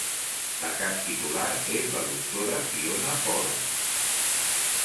La cap titular és la doctora Fiona Polack.